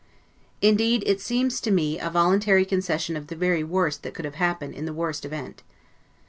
Indeed it seems to me a voluntary concession of the very worst that could have happened in the worst event.